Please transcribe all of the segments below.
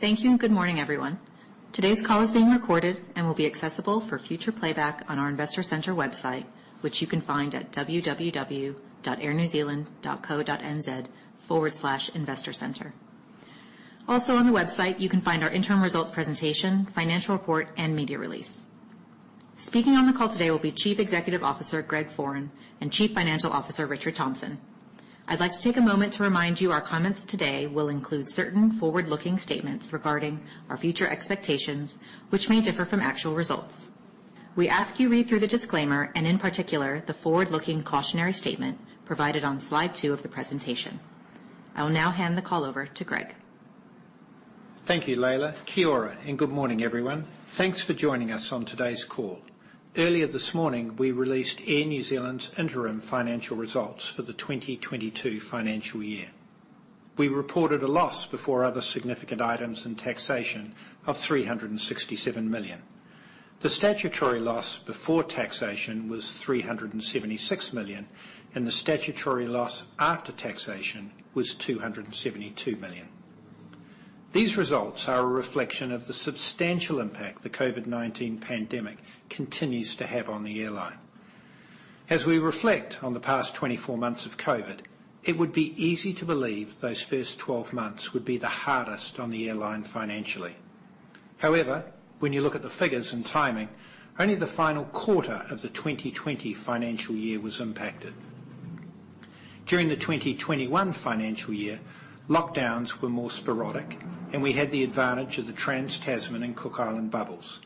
Thank you, and good morning, everyone. Today's call is being recorded and will be accessible for future playback on our investor center website, which you can find at www.airnewzealand.co.nz/investor-center. Also on the website, you can find our interim results presentation, financial report, and media release. Speaking on the call today will be Chief Executive Officer, Greg Foran, and Chief Financial Officer, Richard Thomson. I'd like to take a moment to remind you our comments today will include certain forward-looking statements regarding our future expectations, which may differ from actual results. We ask you read through the disclaimer, and in particular, the forward-looking cautionary statement provided on slide two of the presentation. I will now hand the call over to Greg. Thank you, Leila. Kia ora, and good morning, everyone. Thanks for joining us on today's call. Earlier this morning, we released Air New Zealand's interim financial results for the 2022 financial year. We reported a loss before other significant items and taxation of NZD 367 million. The statutory loss before taxation was NZD 376 million, and the statutory loss after taxation was NZD 272 million. These results are a reflection of the substantial impact the COVID-19 pandemic continues to have on the airline. As we reflect on the past 24 months of COVID, it would be easy to believe those first 12 months would be the hardest on the airline financially. However, when you look at the figures and timing, only the final quarter of the 2020 financial year was impacted. During the 2021 financial year, lockdowns were more sporadic, and we had the advantage of the Trans-Tasman and Cook Islands bubbles.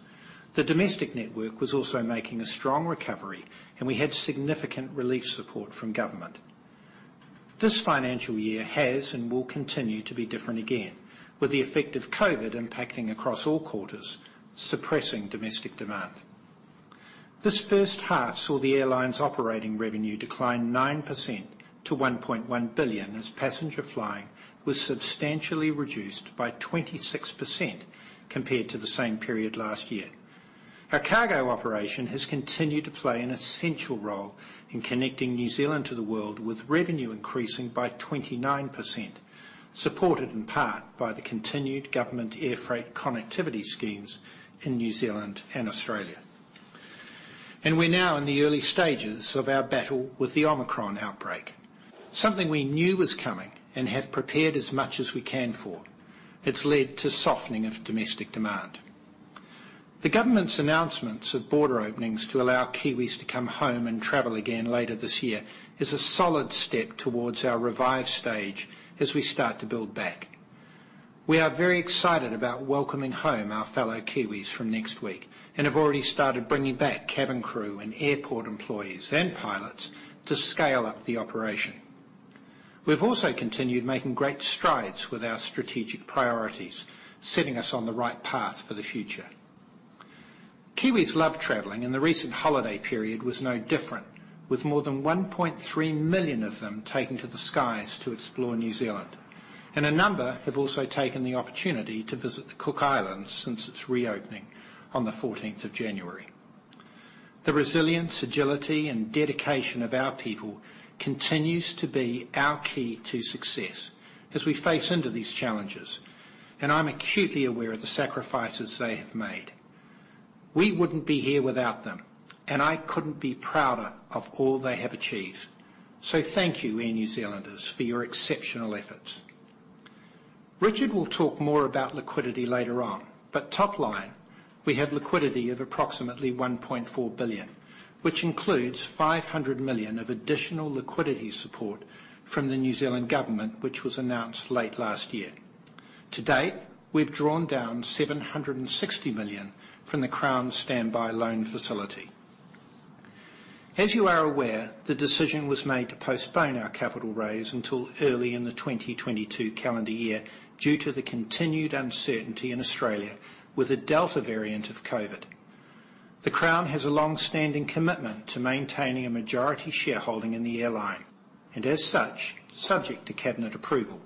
The domestic network was also making a strong recovery, and we had significant relief support from government. This financial year has and will continue to be different again, with the effect of COVID impacting across all quarters, suppressing domestic demand. This first half saw the airline's operating revenue decline 9% to 1.1 billion as passenger flying was substantially reduced by 26% compared to the same period last year. Our cargo operation has continued to play an essential role in connecting New Zealand to the world with revenue increasing by 29%, supported in part by the continued government air freight connectivity schemes in New Zealand and Australia. We're now in the early stages of our battle with the Omicron outbreak, something we knew was coming and have prepared as much as we can for. It's led to softening of domestic demand. The government's announcements of border openings to allow Kiwis to come home and travel again later this year is a solid step towards our revive stage as we start to build back. We are very excited about welcoming home our fellow Kiwis from next week and have already started bringing back cabin crew and airport employees and pilots to scale up the operation. We've also continued making great strides with our strategic priorities, setting us on the right path for the future. Kiwis love traveling, and the recent holiday period was no different, with more than 1.3 million of them taking to the skies to explore New Zealand. A number have also taken the opportunity to visit the Cook Islands since its reopening on the fourteenth of January. The resilience, agility, and dedication of our people continues to be our key to success as we face into these challenges, and I'm acutely aware of the sacrifices they have made. We wouldn't be here without them, and I couldn't be prouder of all they have achieved. Thank you, Air New Zealanders, for your exceptional efforts. Richard will talk more about liquidity later on, but top line, we have liquidity of approximately 1.4 billion, which includes 500 million of additional liquidity support from the New Zealand government, which was announced late last year. To date, we've drawn down 760 million from the Crown Standby Loan Facility. As you are aware, the decision was made to postpone our capital raise until early in the 2022 calendar year due to the continued uncertainty in Australia with the Delta variant of COVID-19. The Crown has a long-standing commitment to maintaining a majority shareholding in the airline, and as such, subject to Cabinet approval,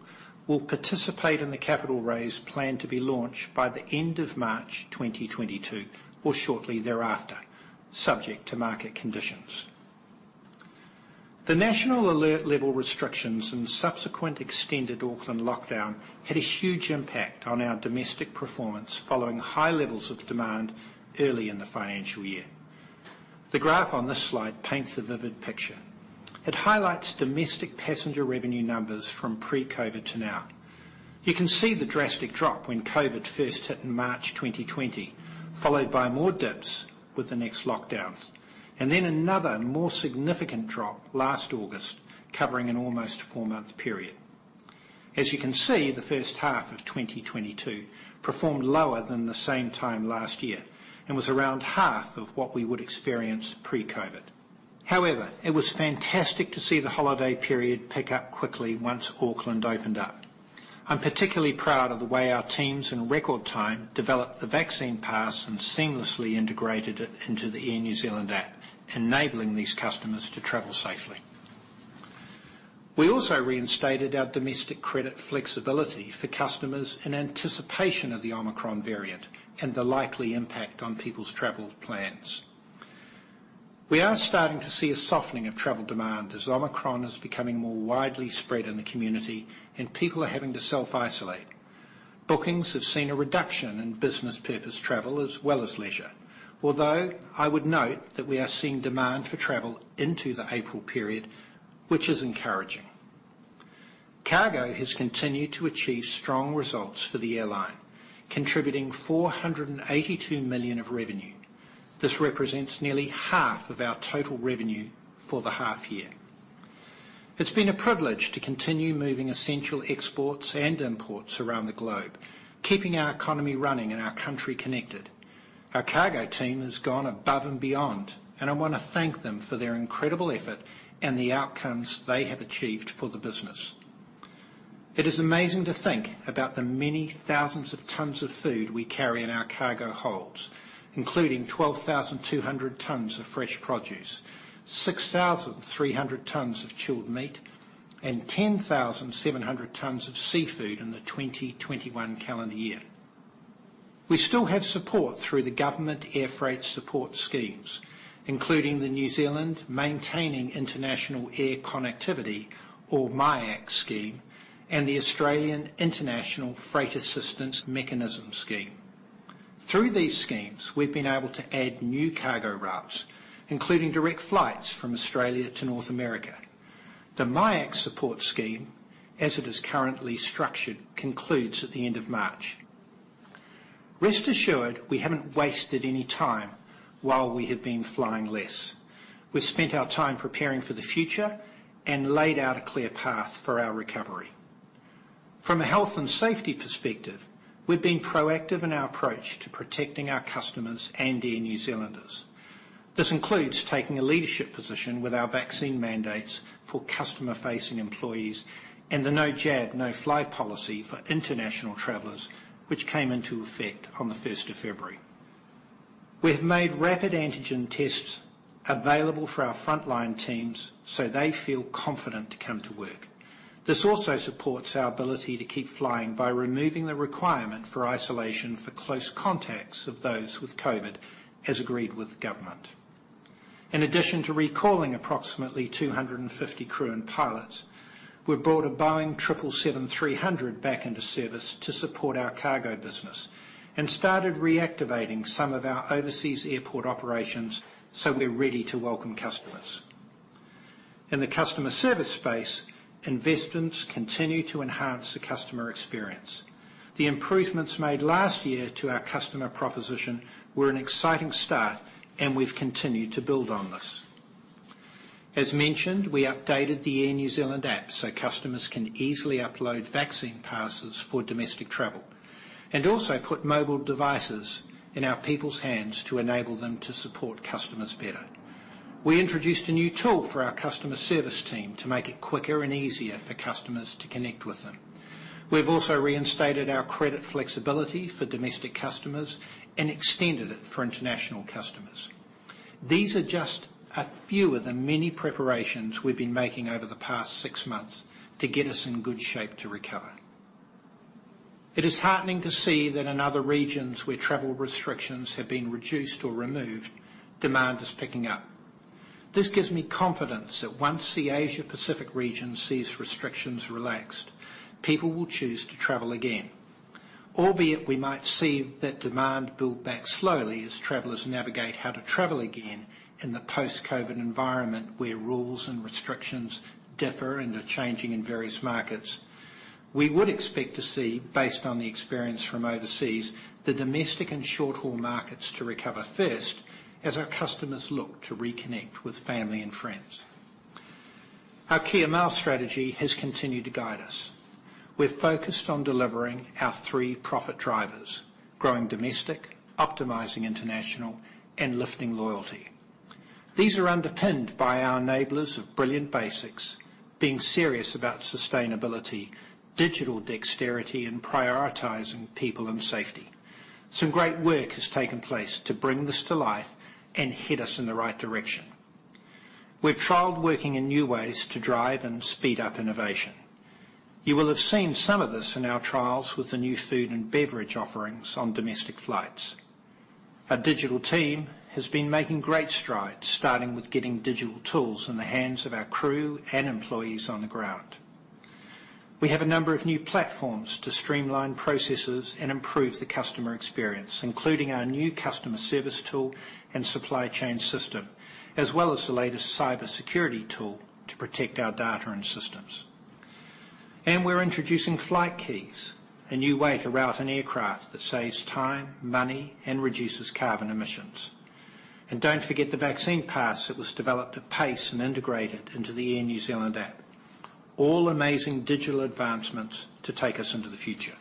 will participate in the capital raise planned to be launched by the end of March 2022 or shortly thereafter, subject to market conditions. The national alert level restrictions and subsequent extended Auckland lockdown had a huge impact on our domestic performance following high levels of demand early in the financial year. The graph on this slide paints a vivid picture. It highlights domestic passenger revenue numbers from pre-COVID-19 to now. You can see the drastic drop when COVID first hit in March 2020, followed by more dips with the next lockdowns, and then another more significant drop last August, covering an almost four-month period. As you can see, the first half of 2022 performed lower than the same time last year and was around half of what we would experience pre-COVID. However, it was fantastic to see the holiday period pick up quickly once Auckland opened up. I'm particularly proud of the way our teams in record time developed the vaccine pass and seamlessly integrated it into the Air New Zealand app, enabling these customers to travel safely. We also reinstated our domestic credit flexibility for customers in anticipation of the Omicron variant and the likely impact on people's travel plans. We are starting to see a softening of travel demand as Omicron is becoming more widely spread in the community and people are having to self-isolate. Bookings have seen a reduction in business purpose travel as well as leisure. Although I would note that we are seeing demand for travel into the April period, which is encouraging. Cargo has continued to achieve strong results for the airline, contributing 482 million of revenue. This represents nearly half of our total revenue for the half year. It's been a privilege to continue moving essential exports and imports around the globe, keeping our economy running and our country connected. Our cargo team has gone above and beyond, and I wanna thank them for their incredible effort and the outcomes they have achieved for the business. It is amazing to think about the many thousands of tons of food we carry in our cargo holds, including 12,200 tons of fresh produce, 6,300 tons of chilled meat, and 10,700 tons of seafood in the 2021 calendar year. We still have support through the government air freight support schemes, including the New Zealand Maintaining International Air Connectivity or MIAC scheme, and the Australian International Freight Assistance Mechanism scheme. Through these schemes, we've been able to add new cargo routes, including direct flights from Australia to North America. The MIAC support scheme, as it is currently structured, concludes at the end of March. Rest assured, we haven't wasted any time while we have been flying less. We've spent our time preparing for the future and laid out a clear path for our recovery. From a health and safety perspective, we've been proactive in our approach to protecting our customers and Air New Zealanders. This includes taking a leadership position with our vaccine mandates for customer-facing employees and the no jab, no fly policy for international travelers, which came into effect on the first of February. We have made rapid antigen tests available for our frontline teams, so they feel confident to come to work. This also supports our ability to keep flying by removing the requirement for isolation for close contacts of those with COVID, as agreed with the government. In addition to recalling approximately 250 crew and pilots, we've brought a Boeing 777-300ER back into service to support our cargo business and started reactivating some of our overseas airport operations, so we're ready to welcome customers. In the customer service space, investments continue to enhance the customer experience. The improvements made last year to our customer proposition were an exciting start, and we've continued to build on this. As mentioned, we updated the Air New Zealand app, so customers can easily upload vaccine passes for domestic travel and also put mobile devices in our people's hands to enable them to support customers better. We introduced a new tool for our customer service team to make it quicker and easier for customers to connect with them. We've also reinstated our credit flexibility for domestic customers and extended it for international customers. These are just a few of the many preparations we've been making over the past six months to get us in good shape to recover. It is heartening to see that in other regions where travel restrictions have been reduced or removed, demand is picking up. This gives me confidence that once the Asia-Pacific region sees restrictions relaxed, people will choose to travel again. Albeit we might see that demand build back slowly as travelers navigate how to travel again in the post-COVID environment where rules and restrictions differ and are changing in various markets. We would expect to see, based on the experience from overseas, the domestic and short-haul markets to recover first as our customers look to reconnect with family and friends. Our Kia Mau strategy has continued to guide us. We're focused on delivering our three profit drivers, growing domestic, optimizing international, and lifting loyalty. These are underpinned by our enablers of brilliant basics being serious about sustainability, digital dexterity, and prioritizing people and safety. Some great work has taken place to bring this to life and head us in the right direction. We've trialed working in new ways to drive and speed up innovation. You will have seen some of this in our trials with the new food and beverage offerings on domestic flights. Our digital team has been making great strides, starting with getting digital tools in the hands of our crew and employees on the ground. We have a number of new platforms to streamline processes and improve the customer experience, including our new customer service tool and supply chain system, as well as the latest cybersecurity tool to protect our data and systems. We're introducing FlightKeys, a new way to route an aircraft that saves time, money, and reduces carbon emissions. Don't forget the vaccine pass that was developed at pace and integrated into the Air New Zealand app. All amazing digital advancements to take us into the future.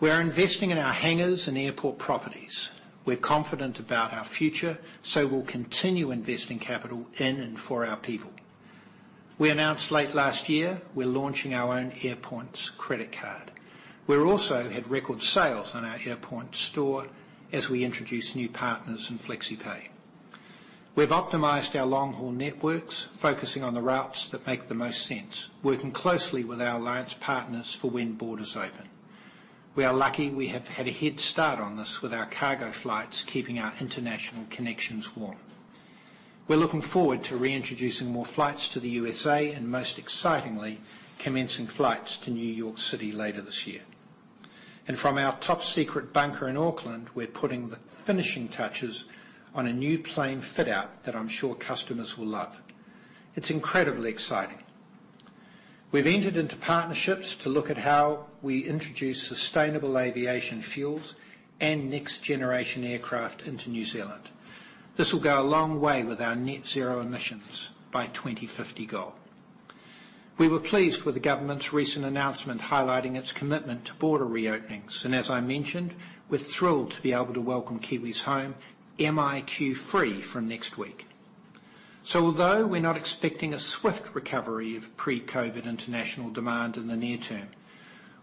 We are investing in our hangars and airport properties. We're confident about our future, so we'll continue investing capital in and for our people. We announced late last year we're launching our own Airpoints credit card. We've also had record sales on our Airpoints store as we introduce new partners in Flexipay. We've optimized our long-haul networks, focusing on the routes that make the most sense, working closely with our alliance partners for when borders open. We are lucky we have had a head start on this with our cargo flights, keeping our international connections warm. We're looking forward to reintroducing more flights to the USA, and most excitingly, commencing flights to New York City later this year. From our top-secret bunker in Auckland, we're putting the finishing touches on a new plane fit-out that I'm sure customers will love. It's incredibly exciting. We've entered into partnerships to look at how we introduce sustainable aviation fuels and next-generation aircraft into New Zealand. This will go a long way with our net zero emissions by 2050 goal. We were pleased with the government's recent announcement highlighting its commitment to border reopenings. As I mentioned, we're thrilled to be able to welcome Kiwis home MIQ-free from next week. Although we're not expecting a swift recovery of pre-COVID international demand in the near term,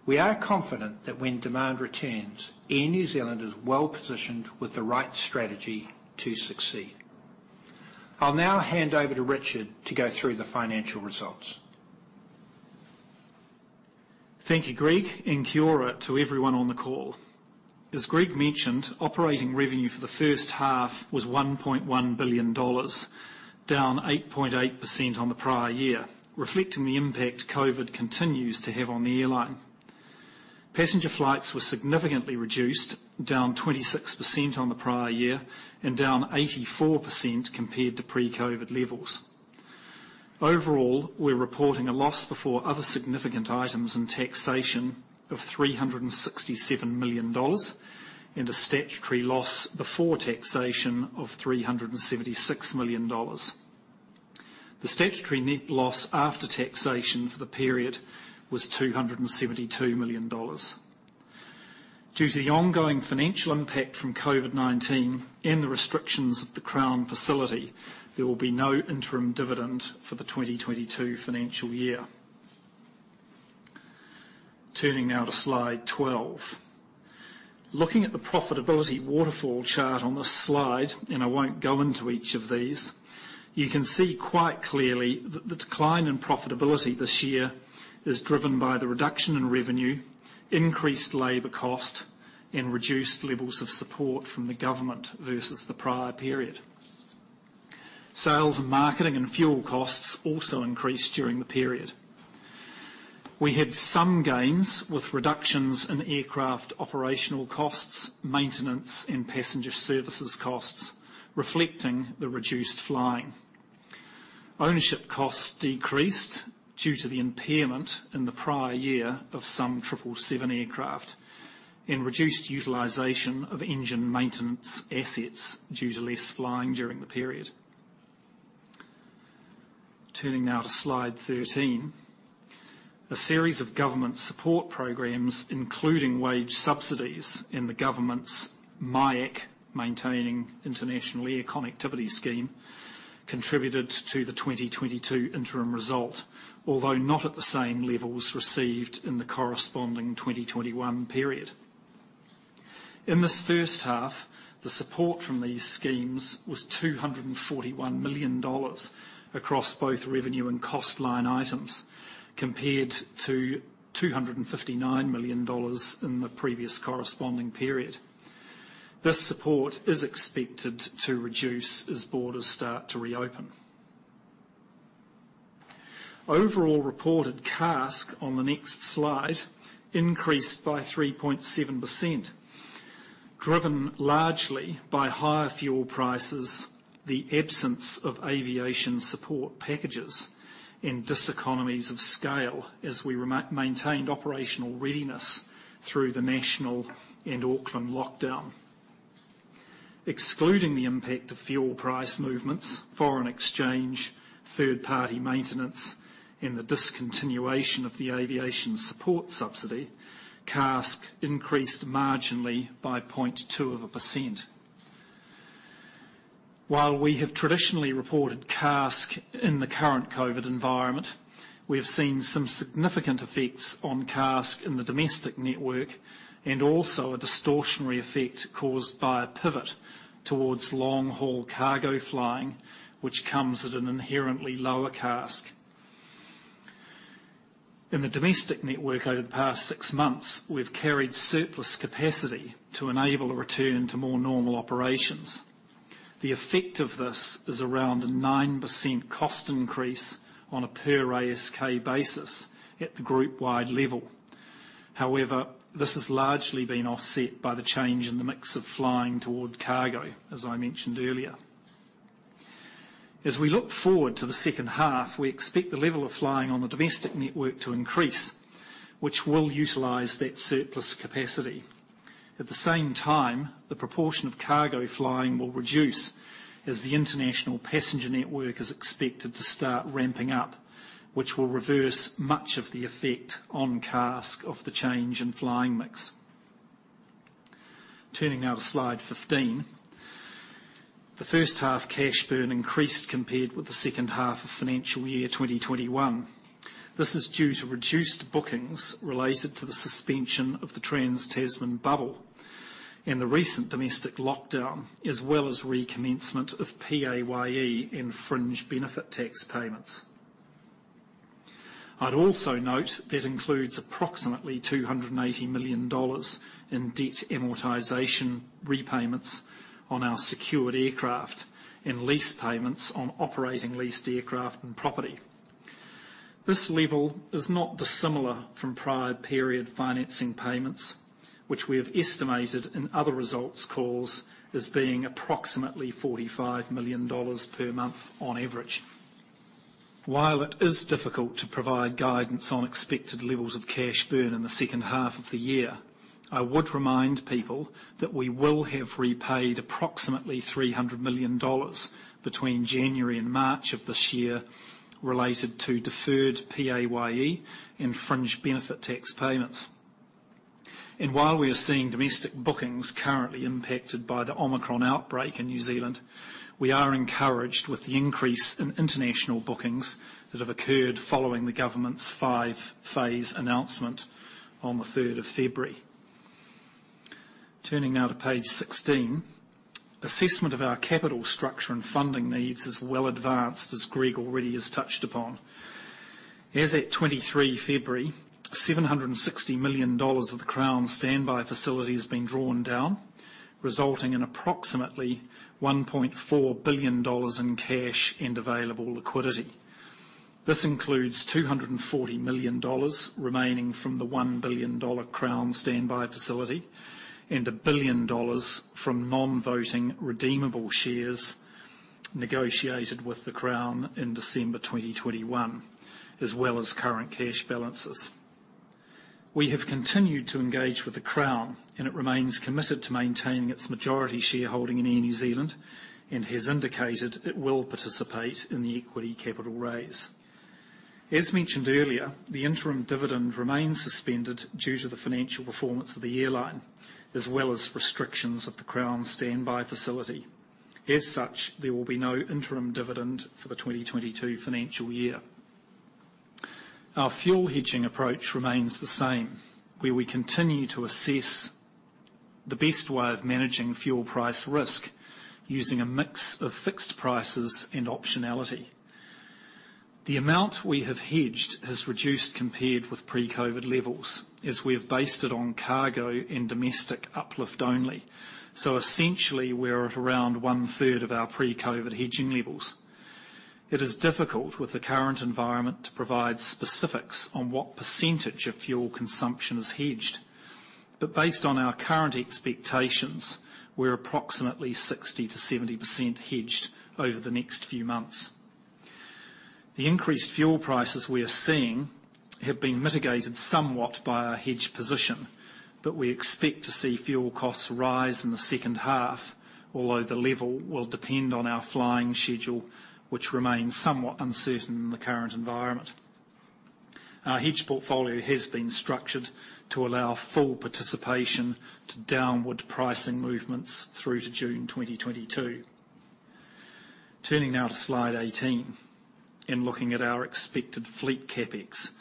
we are confident that when demand returns, Air New Zealand is well-positioned with the right strategy to succeed. I'll now hand over to Richard to go through the financial results. Thank you, Greg, and kia ora to everyone on the call. As Greg mentioned, operating revenue for the first half was NZD 1.1 billion, down 8.8% on the prior year, reflecting the impact COVID-19 continues to have on the airline. Passenger flights were significantly reduced, down 26% on the prior year and down 84% compared to pre-COVID-19 levels. Overall, we're reporting a loss before other significant items and taxation of 367 million dollars and a statutory loss before taxation of 376 million dollars. The statutory net loss after taxation for the period was 272 million dollars. Due to the ongoing financial impact from COVID-19 and the restrictions of the Crown facility, there will be no interim dividend for the 2022 financial year. Turning now to Slide 12. Looking at the profitability waterfall chart on this slide, and I won't go into each of these, you can see quite clearly that the decline in profitability this year is driven by the reduction in revenue, increased labor cost, and reduced levels of support from the government versus the prior period. Sales and marketing and fuel costs also increased during the period. We had some gains with reductions in aircraft operational costs, maintenance, and passenger services costs, reflecting the reduced flying. Ownership costs decreased due to the impairment in the prior year of some triple seven aircraft and reduced utilization of engine maintenance assets due to less flying during the period. Turning now to slide 13. A series of government support programs, including wage subsidies and the government's MIAC, Maintaining International Air Connectivity scheme, contributed to the 2022 interim result, although not at the same levels received in the corresponding 2021 period. In this first half, the support from these schemes was 241 million dollars across both revenue and cost line items, compared to 259 million dollars in the previous corresponding period. This support is expected to reduce as borders start to reopen. Overall reported CASK on the next slide increased by 3.7%, driven largely by higher fuel prices, the absence of aviation support packages, and diseconomies of scale as we re-maintained operational readiness through the national and Auckland lockdown. Excluding the impact of fuel price movements, foreign exchange, third-party maintenance, and the discontinuation of the aviation support subsidy, CASK increased marginally by 0.2%. While we have traditionally reported CASK in the current COVID environment, we have seen some significant effects on CASK in the domestic network, and also a distortionary effect caused by a pivot towards long-haul cargo flying, which comes at an inherently lower CASK. In the domestic network over the past six months, we've carried surplus capacity to enable a return to more normal operations. The effect of this is around a 9% cost increase on a per ASK basis at the group-wide level. However, this has largely been offset by the change in the mix of flying toward cargo, as I mentioned earlier. As we look forward to the second half, we expect the level of flying on the domestic network to increase, which will utilize that surplus capacity. At the same time, the proportion of cargo flying will reduce as the international passenger network is expected to start ramping up, which will reverse much of the effect on CASK of the change in flying mix. Turning now to slide 15. The first half cash burn increased compared with the second half of financial year 2021. This is due to reduced bookings related to the suspension of the Trans-Tasman bubble and the recent domestic lockdown, as well as recommencement of PAYE and fringe benefit tax payments. I'd also note that includes approximately 280 million dollars in debt amortization repayments on our secured aircraft and lease payments on operating leased aircraft and property. This level is not dissimilar from prior period financing payments, which we have estimated in other results calls as being approximately NZD 45 million per month on average. While it is difficult to provide guidance on expected levels of cash burn in the second half of the year, I would remind people that we will have repaid approximately 300 million dollars between January and March of this year related to deferred PAYE and fringe benefit tax payments. While we are seeing domestic bookings currently impacted by the Omicron outbreak in New Zealand, we are encouraged with the increase in international bookings that have occurred following the government's five-phase announcement on the third of February. Turning now to page 16. Assessment of our capital structure and funding needs is well advanced, as Greg already has touched upon. As at 23 February, 760 million dollars of the Crown Standby Facility has been drawn down, resulting in approximately 1.4 billion dollars in cash and available liquidity. This includes 240 million dollars remaining from the 1 billion dollar Crown Standby Facility and 1 billion dollars from non-voting redeemable shares negotiated with the Crown in December 2021, as well as current cash balances. We have continued to engage with the Crown, and it remains committed to maintaining its majority shareholding in Air New Zealand and has indicated it will participate in the equity capital raise. As mentioned earlier, the interim dividend remains suspended due to the financial performance of the airline, as well as restrictions of the Crown Standby Facility. As such, there will be no interim dividend for the 2022 financial year. Our fuel hedging approach remains the same, where we continue to assess the best way of managing fuel price risk using a mix of fixed prices and optionality. The amount we have hedged has reduced compared with pre-COVID levels as we have based it on cargo and domestic uplift only. Essentially, we're at around one-third of our pre-COVID hedging levels. It is difficult with the current environment to provide specifics on what percentage of fuel consumption is hedged. Based on our current expectations, we're approximately 60%-70% hedged over the next few months. The increased fuel prices we are seeing have been mitigated somewhat by our hedge position, but we expect to see fuel costs rise in the second half, although the level will depend on our flying schedule, which remains somewhat uncertain in the current environment. Our hedge portfolio has been structured to allow full participation to downward pricing movements through to June 2022. Turning now to Slide 18, and looking at our expected fleet CapEx.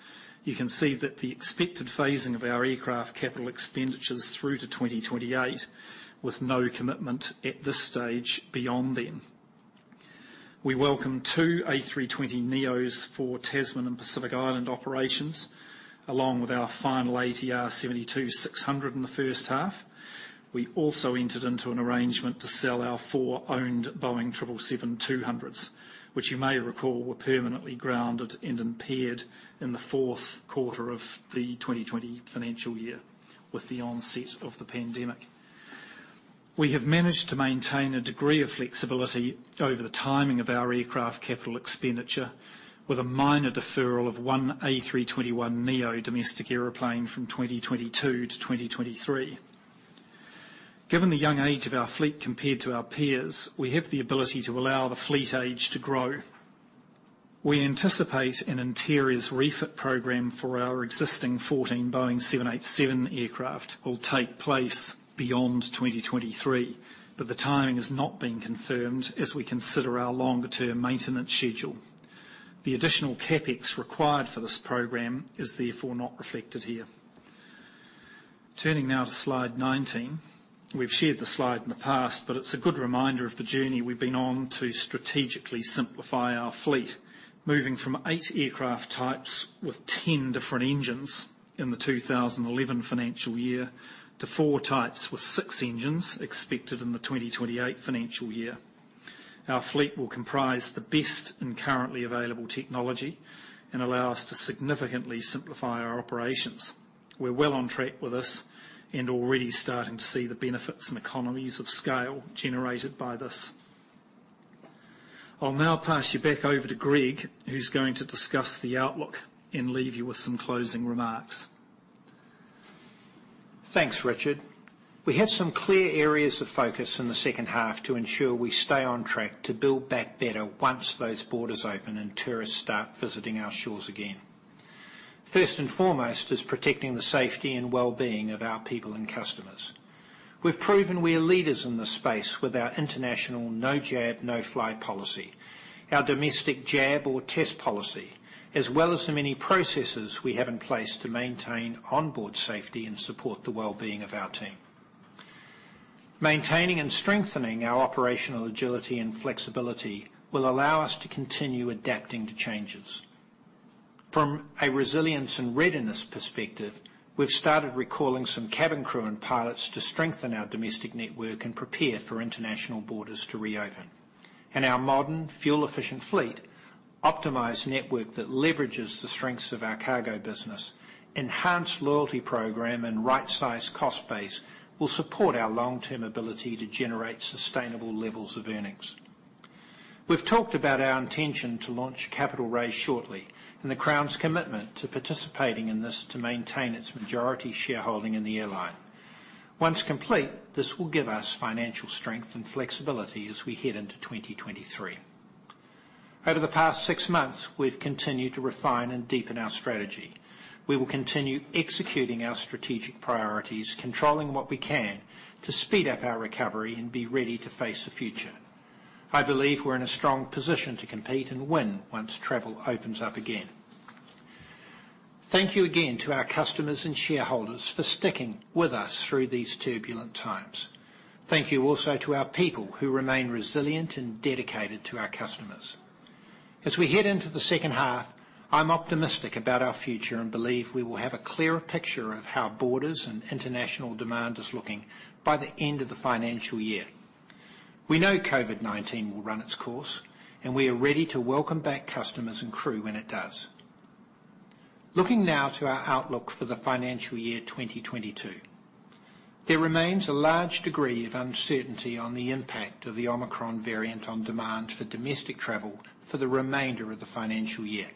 You can see that the expected phasing of our aircraft capital expenditures through to 2028, with no commitment at this stage beyond then. We welcome two A320neos for Tasman and Pacific Island operations, along with our final ATR 72-600 in the first half. We also entered into an arrangement to sell our four owned Boeing 777-200s, which you may recall were permanently grounded and impaired in the fourth quarter of the 2020 financial year with the onset of the pandemic. We have managed to maintain a degree of flexibility over the timing of our aircraft capital expenditure with a minor deferral of one A321neo domestic airplane from 2022 to 2023. Given the young age of our fleet compared to our peers, we have the ability to allow the fleet age to grow. We anticipate an interiors refit program for our existing 14 Boeing 787 aircraft will take place beyond 2023, but the timing has not been confirmed as we consider our longer-term maintenance schedule. The additional CapEx required for this program is therefore not reflected here. Turning now to Slide 19. We've shared this slide in the past, but it's a good reminder of the journey we've been on to strategically simplify our fleet, moving from eight aircraft types with 10 different engines in the 2011 financial year to four types with six engines expected in the 2028 financial year. Our fleet will comprise the best and currently available technology and allow us to significantly simplify our operations. We're well on track with this and already starting to see the benefits and economies of scale generated by this. I'll now pass you back over to Greg, who's going to discuss the outlook and leave you with some closing remarks. Thanks, Richard. We have some clear areas of focus in the second half to ensure we stay on track to build back better once those borders open and tourists start visiting our shores again. First and foremost is protecting the safety and well-being of our people and customers. We've proven we are leaders in this space with our international no jab, no fly policy, our domestic jab or test policy, as well as the many processes we have in place to maintain onboard safety and support the well-being of our team. Maintaining and strengthening our operational agility and flexibility will allow us to continue adapting to changes. From a resilience and readiness perspective, we've started recalling some cabin crew and pilots to strengthen our domestic network and prepare for international borders to reopen. Our modern, fuel-efficient fleet, optimized network that leverages the strengths of our cargo business, enhanced loyalty program, and right-sized cost base will support our long-term ability to generate sustainable levels of earnings. We've talked about our intention to launch a capital raise shortly, and the Crown's commitment to participating in this to maintain its majority shareholding in the airline. Once complete, this will give us financial strength and flexibility as we head into 2023. Over the past six months, we've continued to refine and deepen our strategy. We will continue executing our strategic priorities, controlling what we can to speed up our recovery and be ready to face the future. I believe we're in a strong position to compete and win once travel opens up again. Thank you again to our customers and shareholders for sticking with us through these turbulent times. Thank you also to our people, who remain resilient and dedicated to our customers. As we head into the second half, I'm optimistic about our future and believe we will have a clearer picture of how borders and international demand is looking by the end of the financial year. We know COVID-19 will run its course, and we are ready to welcome back customers and crew when it does. Looking now to our outlook for the financial year 2022. There remains a large degree of uncertainty on the impact of the Omicron variant on demand for domestic travel for the remainder of the financial year.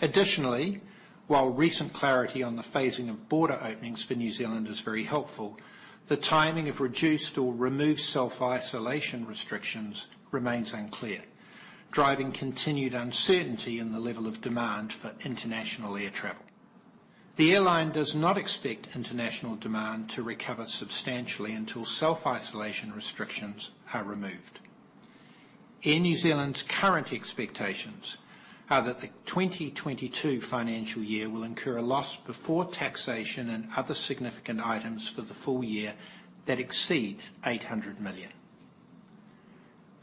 Additionally, while recent clarity on the phasing of border openings for New Zealand is very helpful, the timing of reduced or removed self-isolation restrictions remains unclear, driving continued uncertainty in the level of demand for international air travel. The airline does not expect international demand to recover substantially until self-isolation restrictions are removed. Air New Zealand's current expectations are that the 2022 financial year will incur a loss before taxation and other significant items for the full year that exceeds 800 million.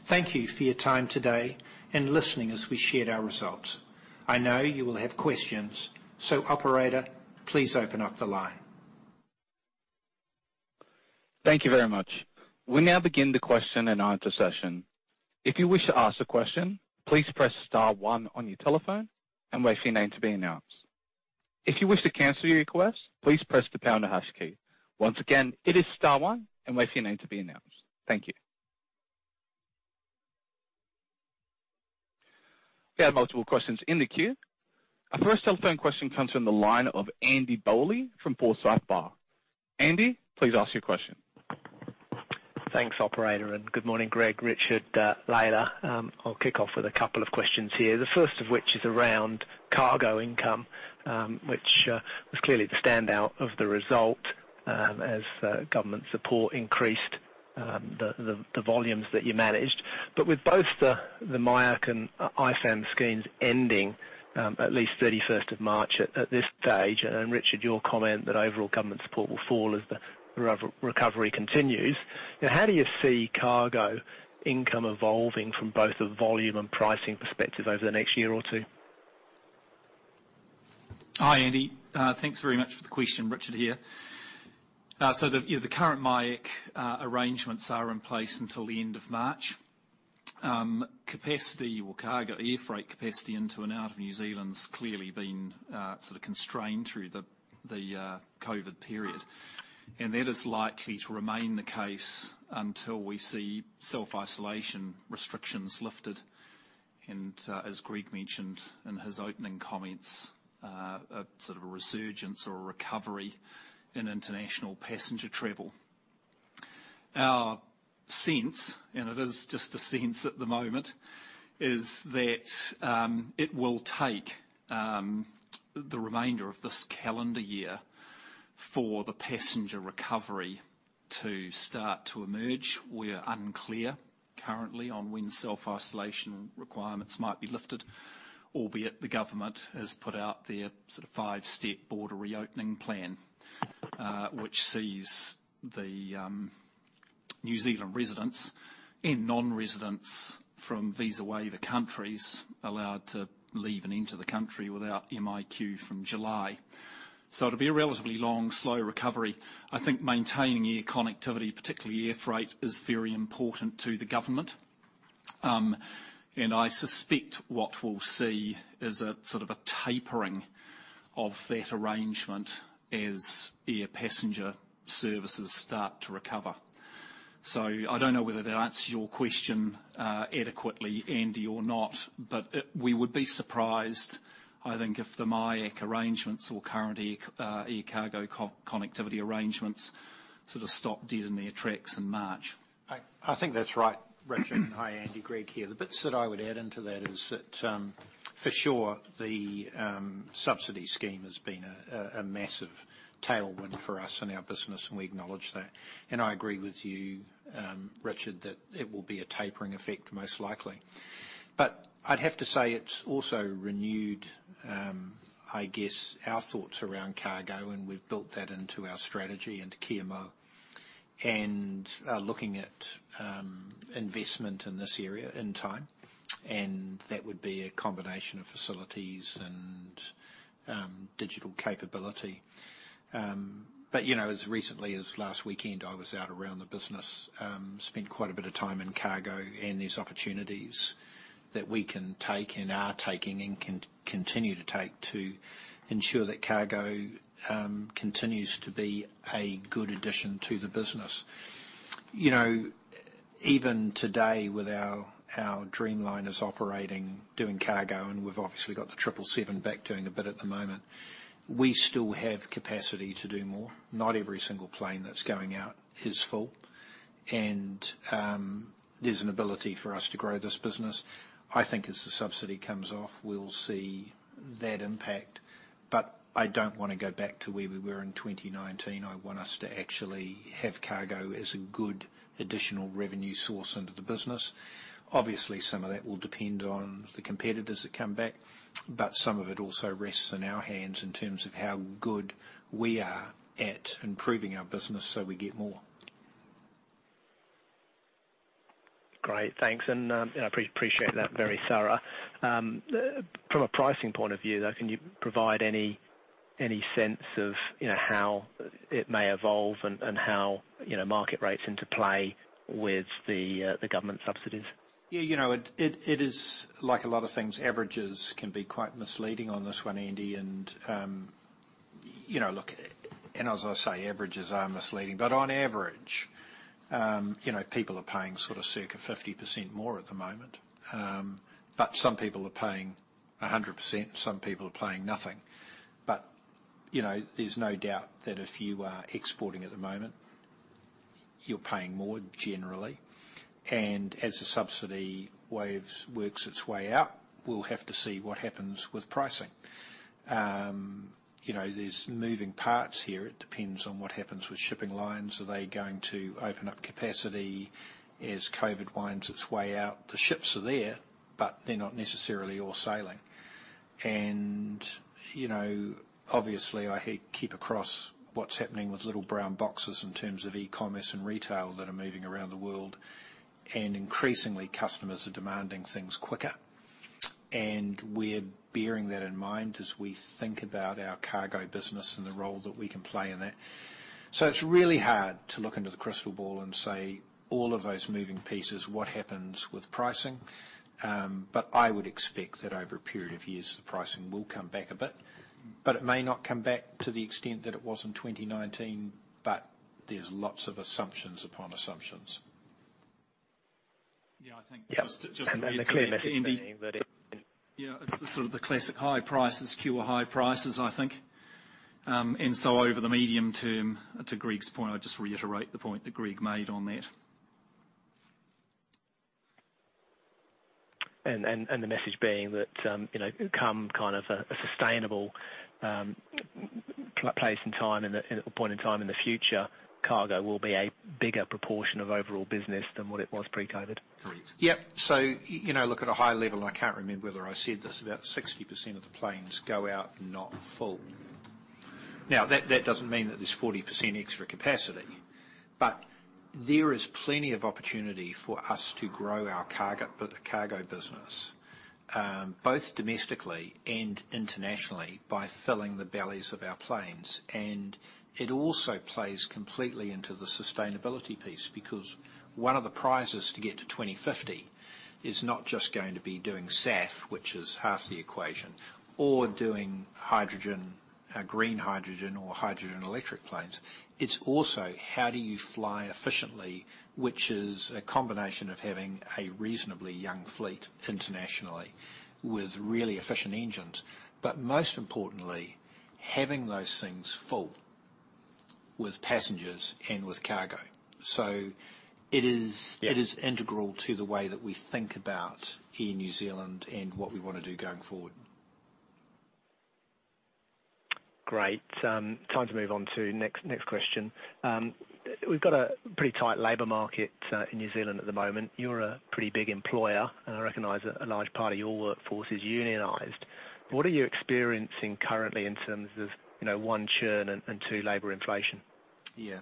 Thank you for your time today and listening as we shared our results. I know you will have questions. Operator, please open up the line. Thank you very much. We now begin the question-and-answer session. If you wish to ask a question, please press star one on your telephone and wait for your name to be announced. If you wish to cancel your request, please press the pound or hash key. Once again, it is star one, and wait for your name to be announced. Thank you. We have multiple questions in the queue. Our first telephone question comes from the line of Andy Bowley from Forsyth Barr. Andy, please ask your question. Thanks operator, and good morning, Greg, Richard, Leila. I'll kick off with a couple of questions here. The first of which is around cargo income, which was clearly the standout of the result, as government support increased the volumes that you managed. With both the MIQ and MIAC schemes ending at least 31st March at this stage, and Richard, your comment that overall government support will fall as the recovery continues. Now, how do you see cargo income evolving from both a volume and pricing perspective over the next year or two? Hi, Andy. Thanks very much for the question. Richard here. So, you know, the current MIQ arrangements are in place until the end of March. Cargo airfreight capacity into and out of New Zealand has clearly been sort of constrained through the COVID period. That is likely to remain the case until we see self-isolation restrictions lifted and, as Greg mentioned in his opening comments, a sort of resurgence or a recovery in international passenger travel. Our sense, and it is just a sense at the moment, is that it will take the remainder of this calendar year for the passenger recovery to start to emerge. We are unclear currently on when self-isolation requirements might be lifted, albeit the government has put out their sort of five-step border reopening plan, which sees the New Zealand residents and non-residents from visa-waiver countries allowed to leave and enter the country without MIQ from July. It'll be a relatively long, slow recovery. I think maintaining air connectivity, particularly air freight, is very important to the government. I suspect what we'll see is a sort of a tapering of that arrangement as air passenger services start to recover. I don't know whether that answers your question adequately, Andy, or not. We would be surprised, I think, if the MIQ arrangements or current air cargo connectivity arrangements sort of stop dead in their tracks in March. I think that's right, Richard. Hi, Andy. Greg here. The bits that I would add into that is that, for sure, the subsidy scheme has been a massive tailwind for us and our business, and we acknowledge that. I agree with you, Richard, that it will be a tapering effect, most likely. I'd have to say it's also renewed, I guess our thoughts around cargo, and we've built that into our strategy and Kia Mau. Looking at investment in this area in time, and that would be a combination of facilities and digital capability. You know, as recently as last weekend, I was out around the business, spent quite a bit of time in cargo and these opportunities that we can take and are taking and continue to take to ensure that cargo continues to be a good addition to the business. You know, even today with our Dreamliners operating, doing cargo, and we've obviously got the triple seven back doing a bit at the moment, we still have capacity to do more. Not every single plane that's going out is full, and there's an ability for us to grow this business. I think as the subsidy comes off, we'll see that impact. I don't wanna go back to where we were in 2019. I want us to actually have cargo as a good additional revenue source into the business. Obviously, some of that will depend on the competitors that come back, but some of it also rests in our hands in terms of how good we are at improving our business, so we get more. Great. Thanks. I appreciate that very thorough. From a pricing point of view, though, can you provide any sense of, you know, how it may evolve and how, you know, market rates come into play with the government subsidies? Yeah, you know, it is like a lot of things. Averages can be quite misleading on this one, Andy. You know, look, as I say, averages are misleading, but on average, you know, people are paying sort of circa 50% more at the moment. Some people are paying 100%, some people are paying nothing. You know, there's no doubt that if you are exporting at the moment, you're paying more generally. As the subsidy waves works its way out, we'll have to see what happens with pricing. You know, there are moving parts here. It depends on what happens with shipping lines. Are they going to open up capacity as COVID winds its way out? The ships are there, but they're not necessarily all sailing. You know, obviously, I keep across what's happening with little brown boxes in terms of e-commerce and retail that are moving around the world. Increasingly, customers are demanding things quicker. We're bearing that in mind as we think about our cargo business and the role that we can play in that. It's really hard to look into the crystal ball and say all of those moving pieces, what happens with pricing? But I would expect that over a period of years, the pricing will come back a bit, but it may not come back to the extent that it was in 2019. There's lots of assumptions upon assumptions. Yeah, I think just. Yeah. A clear message. Yeah. It's the sort of classic high prices cure high prices, I think. Over the medium term, to Greg's point, I just reiterate the point that Greg made on that. The message being that, you know, come to a sustainable place and time in the point in time in the future, cargo will be a bigger proportion of overall business than what it was pre-COVID. Correct. Yep. You know, look at a high level, and I can't remember whether I said this, about 60% of the planes go out not full. Now, that doesn't mean that there's 40% extra capacity, but there is plenty of opportunity for us to grow our cargo, the cargo business, both domestically and internationally by filling the bellies of our planes. It also plays completely into the sustainability piece, because one of the prizes to get to 2050 is not just going to be doing SAF, which is half the equation or doing hydrogen, green hydrogen or hydrogen electric planes. It's also how do you fly efficiently, which is a combination of having a reasonably young fleet internationally with really efficient engines, but most importantly, having those things full with passengers and with cargo. It is- Yeah. It is integral to the way that we think about Air New Zealand and what we wanna do going forward. Great. Time to move on to next question. We've got a pretty tight labor market in New Zealand at the moment. You're a pretty big employer, and I recognize that a large part of your workforce is unionized. What are you experiencing currently in terms of, you know, one, churn, and two, labor inflation? Yeah.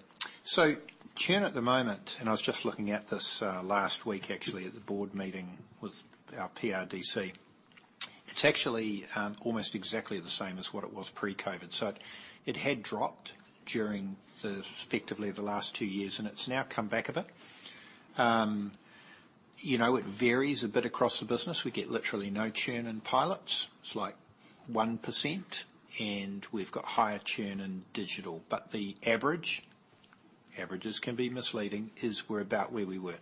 Churn at the moment, and I was just looking at this last week, actually, at the board meeting with our PRDC. It's actually almost exactly the same as what it was pre-COVID. It had dropped during effectively the last two years, and it's now come back a bit. You know, it varies a bit across the business. We get literally no churn in pilots. It's like 1%, and we've got higher churn in digital. The average, averages can be misleading, is we're about where we were.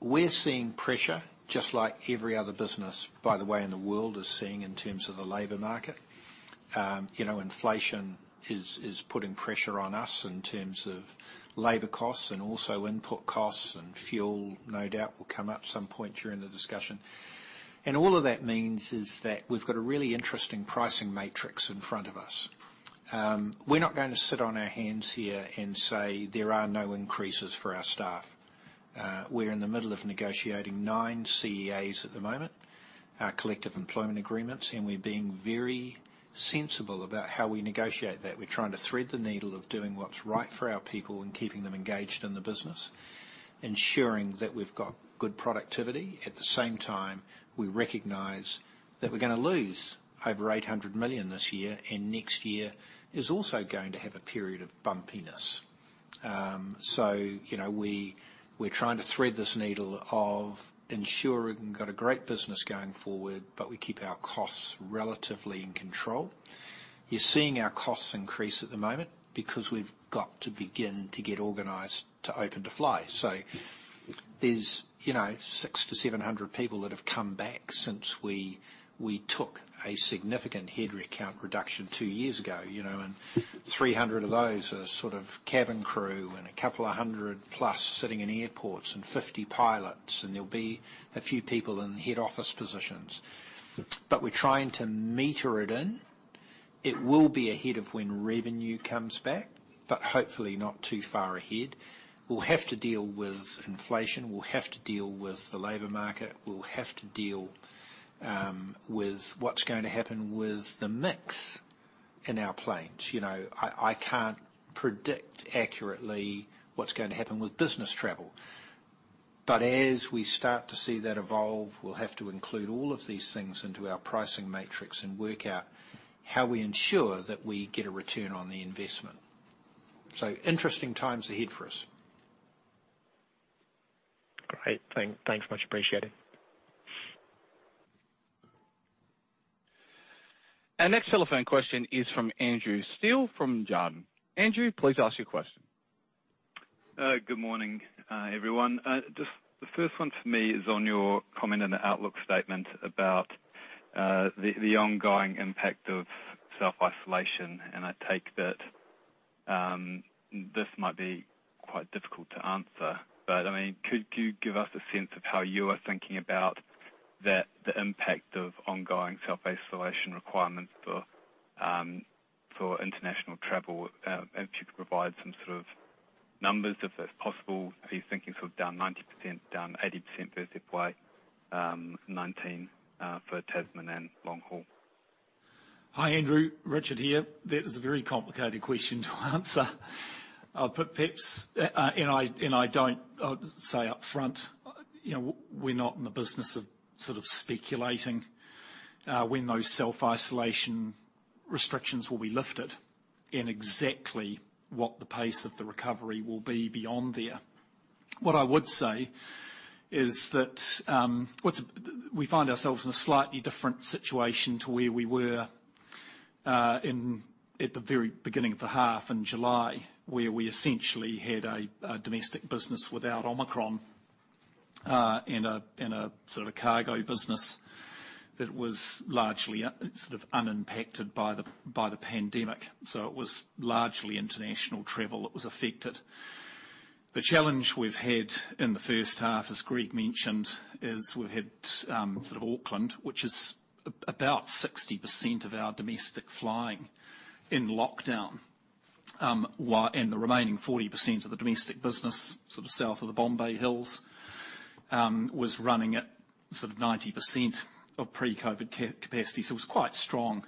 We're seeing pressure just like every other business, by the way, in the world is seeing in terms of the labor market. You know, inflation is putting pressure on us in terms of labor costs and also input costs and fuel no doubt will come up some point during the discussion. All of that means is that we've got a really interesting pricing matrix in front of us. We're not going to sit on our hands here and say, "There are no increases for our staff. We're in the middle of negotiating nine CEAs at the moment, our Collective Employment Agreements, and we're being very sensible about how we negotiate that. We're trying to thread the needle of doing what's right for our people and keeping them engaged in the business, ensuring that we've got good productivity. At the same time, we recognize that we're gonna lose over 800 million this year, and next year is also going to have a period of bumpiness. You know, we're trying to thread this needle of ensuring we've got a great business going forward, but we keep our costs relatively in control. You're seeing our costs increase at the moment because we've got to begin to get organized to open to fly. There's, you know, 600-700 people that have come back since we took a significant head count reduction two years ago, you know, and 300 of those are sort of cabin crew and a couple of hundred plus sitting in airports and 50 pilots, and there'll be a few people in head office positions. But we're trying to meter it in. It will be ahead of when revenue comes back, but hopefully not too far ahead. We'll have to deal with inflation. We'll have to deal with the labor market. We'll have to deal with what's going to happen with the mix in our planes. You know, I can't predict accurately what's going to happen with business travel. As we start to see that evolve, we'll have to include all of these things into our pricing matrix and work out how we ensure that we get a return on the investment. Interesting times ahead for us. Great. Thanks much. Appreciate it. Our next telephone question is from Andrew Steele from Jarden. Andrew, please ask your question. Good morning, everyone. Just the first one for me is on your comment in the outlook statement about the ongoing impact of self-isolation, and I take that this might be quite difficult to answer. I mean, could you give us a sense of how you are thinking about the impact of ongoing self-isolation requirements for international travel? If you could provide some sort of numbers, if that's possible. Are you thinking sort of down 90%, down 80% versus pre-19 for Tasman and Long-haul? Hi, Andrew. Richard here. That is a very complicated question to answer. I'll say up front, you know, we're not in the business of sort of speculating when those self-isolation restrictions will be lifted and exactly what the pace of the recovery will be beyond there. What I would say is that we find ourselves in a slightly different situation to where we were in at the very beginning of the half in July, where we essentially had a domestic business without Omicron and a sort of cargo business that was largely sort of unimpacted by the pandemic. It was largely international travel that was affected. The challenge we've had in the first half, as Greg mentioned, is we've had sort of Auckland, which is about 60% of our domestic flying in lockdown. And the remaining 40% of the domestic business, sort of south of the Bombay Hills, was running at sort of 90% of pre-COVID capacity. It was quite strong.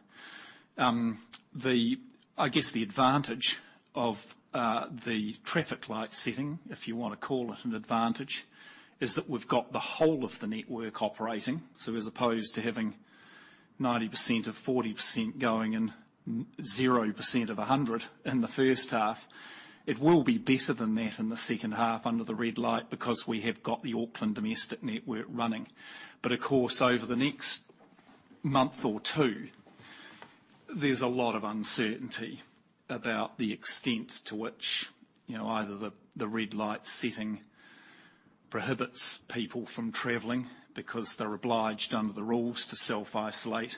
I guess the advantage of the traffic light setting, if you wanna call it an advantage, is that we've got the whole of the network operating. As opposed to having 90% of 40% going and 0% of 100 in the first half, it will be better than that in the second half under the red light because we have got the Auckland domestic network running. Of course, over the next month or two, there's a lot of uncertainty about the extent to which, you know, either the red light setting prohibits people from traveling because they're obliged under the rules to self-isolate,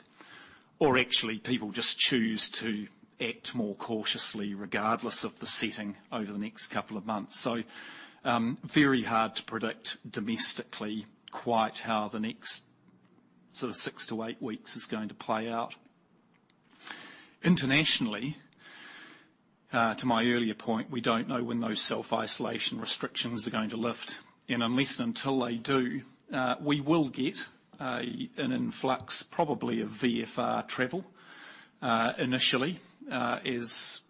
or actually people just choose to act more cautiously regardless of the setting over the next couple of months. Very hard to predict domestically quite how the next sort of six to eight weeks is going to play out. Internationally, to my earlier point, we don't know when those self-isolation restrictions are going to lift. And until they do, we will get an influx probably of VFR travel initially, as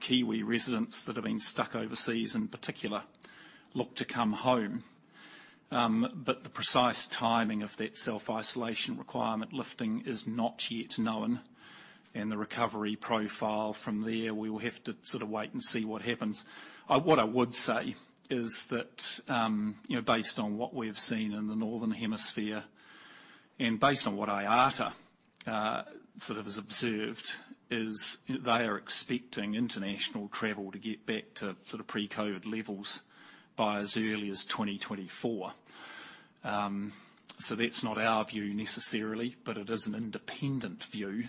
Kiwi residents that have been stuck overseas in particular look to come home. The precise timing of that self-isolation requirement lifting is not yet known, and the recovery profile from there, we will have to sort of wait and see what happens. What I would say is that, you know, based on what we've seen in the northern hemisphere and based on what IATA sort of has observed, is they are expecting international travel to get back to sort of pre-COVID levels by as early as 2024. That's not our view necessarily, but it is an independent view,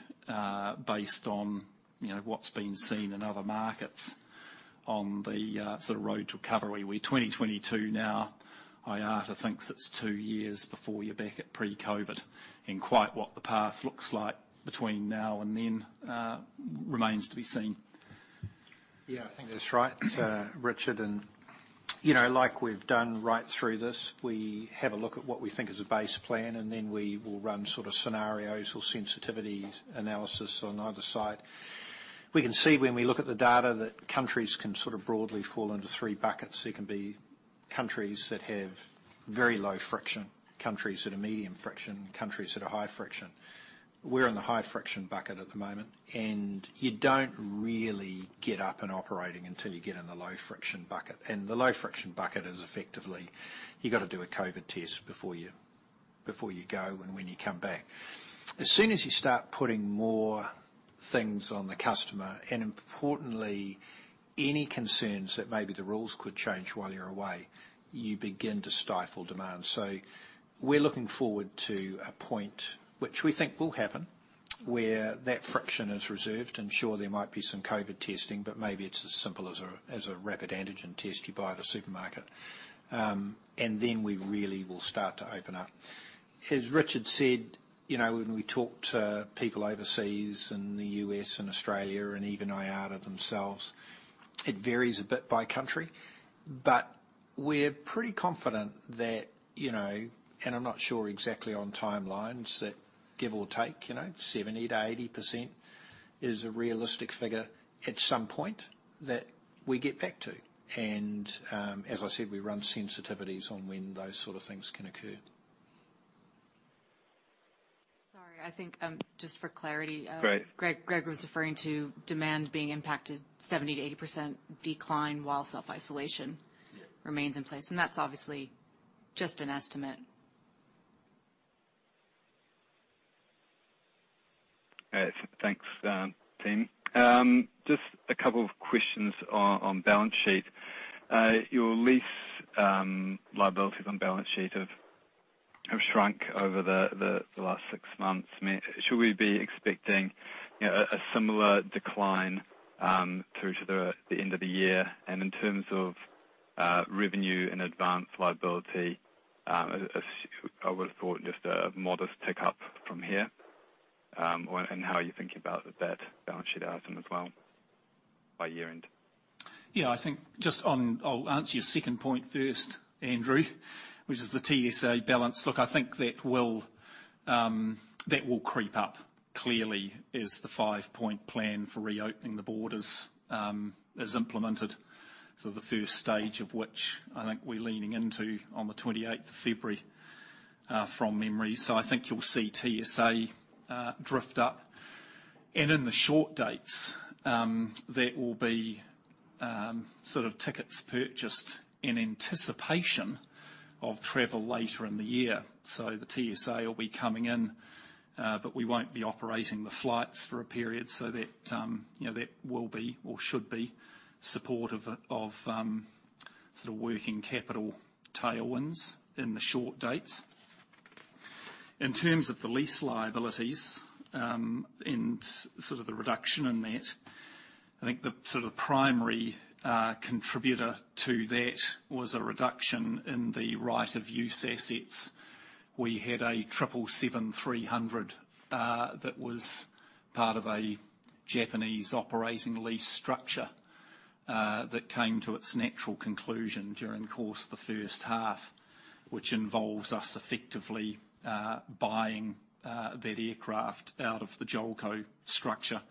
based on, you know, what's been seen in other markets on the sort of road to recovery. We're 2022 now. IATA thinks it's two years before you're back at pre-COVID. Quite what the path looks like between now and then remains to be seen. Yeah, I think that's right, Richard. You know, like we've done right through this, we have a look at what we think is a base plan, and then we will run sort of scenarios or sensitivity analysis on either side. We can see when we look at the data that countries can sort of broadly fall into three buckets. It can be countries that have very low friction, countries that are medium friction, and countries that are high friction. We're in the high friction bucket at the moment, and you don't really get up and operating until you get in the low friction bucket. The low friction bucket is effectively, you've got to do a COVID test before you go and when you come back. As soon as you start putting more things on the customer, and importantly, any concerns that maybe the rules could change while you're away, you begin to stifle demand. We're looking forward to a point which we think will happen, where that friction is removed. Sure, there might be some COVID testing, but maybe it's as simple as a rapid antigen test you buy at a supermarket. Then we really will start to open up. As Richard said, you know, when we talk to people overseas in the U.S. and Australia and even IATA themselves, it varies a bit by country. We're pretty confident that, you know, and I'm not sure exactly on timelines, that give or take, you know, 70%-80% is a realistic figure at some point that we get back to. As I said, we run sensitivities on when those sort of things can occur. Sorry, I think, just for clarity. Great. Greg was referring to demand being impacted 70%-80% decline while self-isolation. Yeah. remains in place, and that's obviously just an estimate. Thanks, team. Just a couple of questions on balance sheet. Your lease liabilities on balance sheet have shrunk over the last six months. Shall we be expecting, you know, a similar decline through to the end of the year? In terms of revenue in advance liability, I would have thought just a modest tick up from here. How are you thinking about that balance sheet item as well by year-end? Yeah, I think just on. I'll answer your second point first, Andrew, which is the TSA balance. Look, I think that will creep up clearly as the five-point plan for reopening the borders is implemented. The first stage of which I think we're leaning into on the twenty-eighth of February, from memory. I think you'll see TSA drift up. In the short dates, that will be sort of tickets purchased in anticipation of travel later in the year. The TSA will be coming in, but we won't be operating the flights for a period so that, you know, that will be or should be supportive of sort of working capital tailwinds in the short dates. In terms of the lease liabilities, and sort of the reduction in that, I think the sort of primary, contributor to that was a reduction in the right of use assets. We had a 777-300ER, that was part of a Japanese operating lease structure, that came to its natural conclusion during the course of the first half, which involves us effectively, buying, that aircraft out of the JOLCO structure.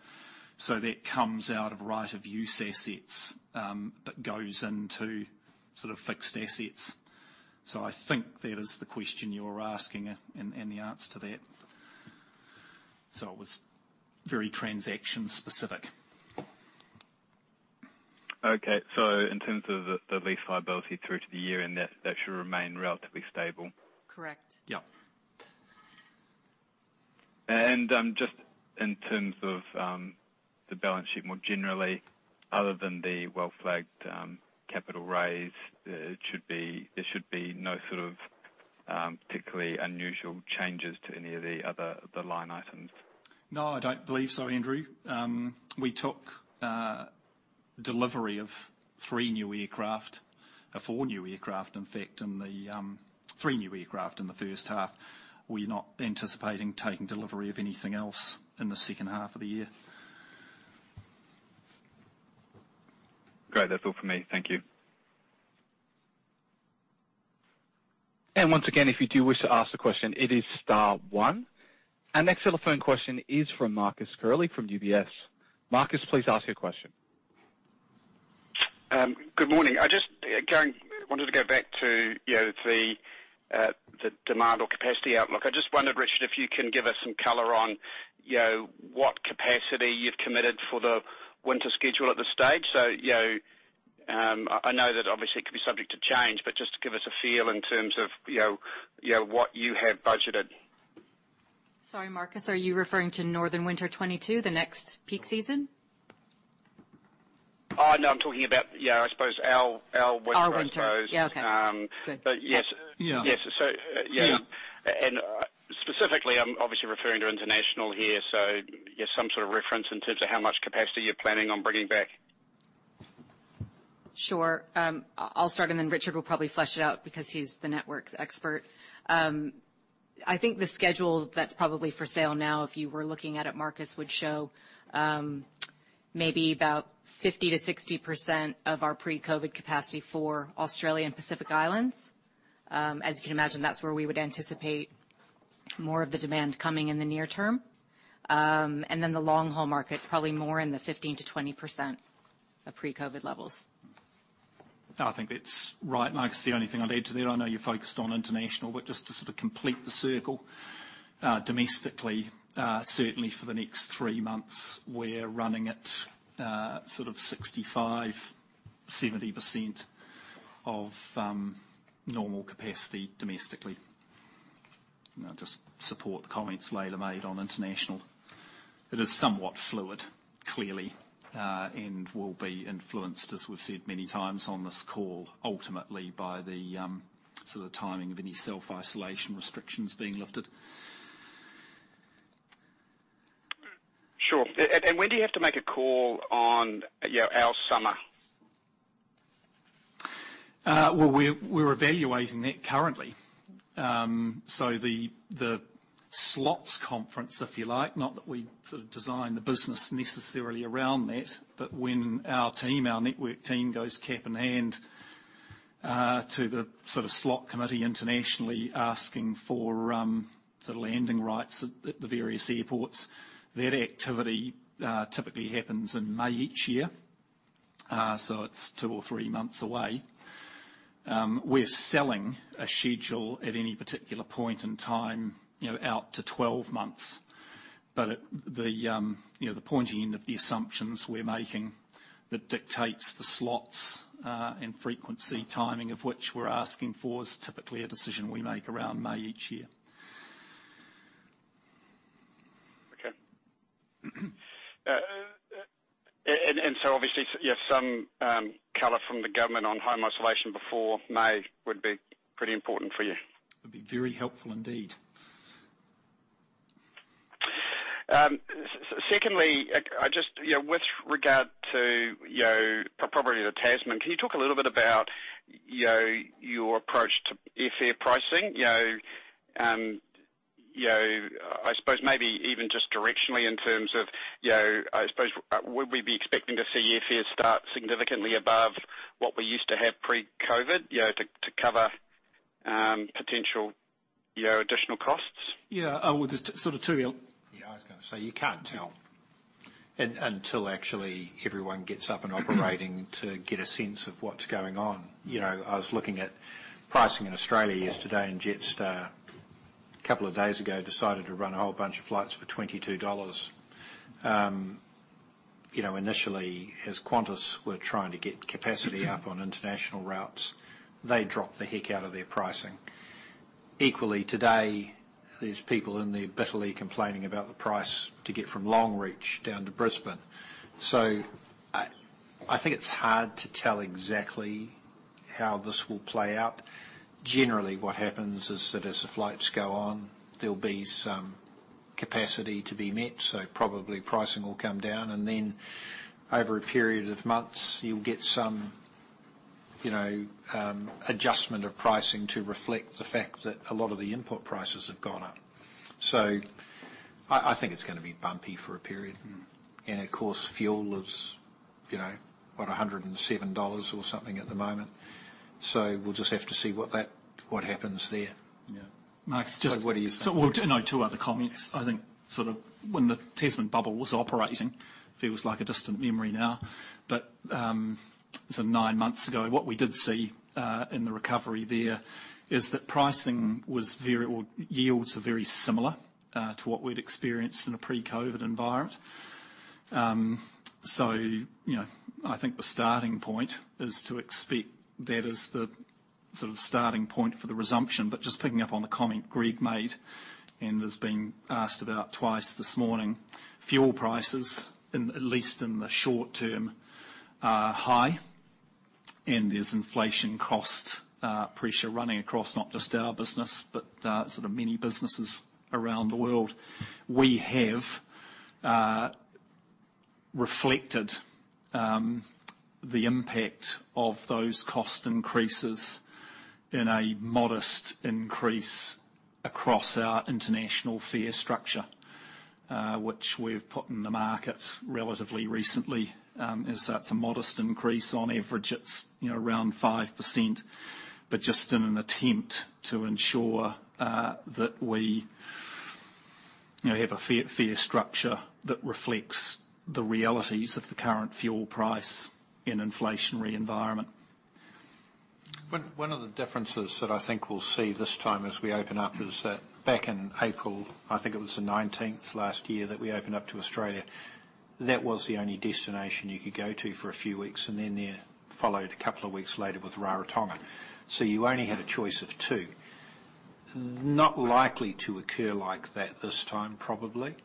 That comes out of right of use assets, but goes into sort of fixed assets. I think that is the question you're asking and the answer to that. It was very transaction specific. Okay. In terms of the lease liability through to the year-end, that should remain relatively stable? Correct. Yeah. Just in terms of the balance sheet more generally, other than the well-flagged capital raise, there should be no sort of particularly unusual changes to any of the other line items? No, I don't believe so, Andrew. We took delivery of three new aircraft, or four new aircraft, in fact, in the first half. We're not anticipating taking delivery of anything else in the second half of the year. Great. That's all for me. Thank you. Once again, if you do wish to ask a question, it is star one. Our next telephone question is from Marcus Curley from UBS. Marcus, please ask your question. Good morning. I just, again, wanted to go back to, you know, the demand or capacity outlook. I just wondered, Richard, if you can give us some color on, you know, what capacity you've committed for the winter schedule at this stage. You know, I know that obviously it could be subject to change, but just to give us a feel in terms of, you know, what you have budgeted. Sorry, Marcus, are you referring to northern winter 2022, the next peak season? Oh, no, I'm talking about, yeah, I suppose our winter, I suppose. Our winter. Yeah, okay. Good. Yes. Yeah. Yes. Yeah. Yeah. Specifically, I'm obviously referring to international here. Just some sort of reference in terms of how much capacity you're planning on bringing back. Sure. I'll start and then Richard will probably flesh it out because he's the network's expert. I think the schedule that's probably for sale now, if you were looking at it, Marcus, would show, maybe about 50%-60% of our pre-COVID capacity for Australia and Pacific Islands. The long-haul markets, probably more in the 15%-20% of pre-COVID levels. I think that's right. I can see the only thing I'd add to there. I know you're focused on international, but just to sort of complete the circle, domestically, certainly for the next three months, we're running at sort of 65%-70% of normal capacity domestically. I just support the comments Leila made on international. It is somewhat fluid, clearly, and will be influenced, as we've said many times on this call, ultimately by the sort of timing of any self-isolation restrictions being lifted. Sure. When do you have to make a call on, you know, our summer? Well, we're evaluating that currently. The slots conference, if you like, not that we sort of design the business necessarily around that, but when our team, our network team goes cap in hand to the sort of slot committee internationally asking for sort of landing rights at the various airports, that activity typically happens in May each year. It's two or three months away. We're selling a schedule at any particular point in time, you know, out to 12 months. At the, you know, the pointy end of the assumptions we're making that dictates the slots and frequency timing of which we're asking for is typically a decision we make around May each year. Obviously you have some color from the government on home isolation before May would be pretty important for you. It'd be very helpful indeed. Secondly, I just, you know, with regard to, you know, probably the Tasman, can you talk a little bit about, you know, your approach to airfare pricing? You know, I suppose maybe even just directionally in terms of, you know, I suppose would we be expecting to see airfares start significantly above what we used to have pre-COVID, you know, to cover potential, you know, additional costs? Yeah. Well, I was gonna say, you can't tell until actually everyone gets up and operating to get a sense of what's going on. You know, I was looking at pricing in Australia yesterday, and Jetstar a couple of days ago decided to run a whole bunch of flights for AUD 22. You know, initially, as Qantas were trying to get capacity up on international routes, they dropped the heck out of their pricing. Equally, today, there's people in there bitterly complaining about the price to get from Longreach down to Brisbane. I think it's hard to tell exactly how this will play out. Generally, what happens is that as the flights go on, there'll be some capacity to be met, so probably pricing will come down. Then over a period of months, you'll get some, you know, adjustment of pricing to reflect the fact that a lot of the input prices have gone up. I think it's gonna be bumpy for a period. Of course, fuel is, you know, about $107 or something at the moment. We'll just have to see what happens there. Yeah. Marcus, so what do you think? Two other comments. I think sort of when the Tasman bubble was operating, feels like a distant memory now, but some nine months ago, what we did see in the recovery there is that pricing or yields are very similar to what we'd experienced in a pre-COVID environment. You know, I think the starting point is to expect that as the sort of starting point for the resumption. Just picking up on the comment Greg made, and it's been asked about twice this morning, fuel prices, at least in the short term, are high, and there's inflationary cost pressure running across not just our business, but sort of many businesses around the world. We have reflected the impact of those cost increases in a modest increase across our international fare structure, which we've put in the market relatively recently. That's a modest increase. On average, it's, you know, around 5%. Just in an attempt to ensure that we, you know, have a fair structure that reflects the realities of the current fuel price and inflationary environment. One of the differences that I think we'll see this time as we open up is that back in April, I think it was the 19th last year that we opened up to Australia, that was the only destination you could go to for a few weeks, and then there followed a couple of weeks later with Rarotonga. You only had a choice of two. Not likely to occur like that this time, probably.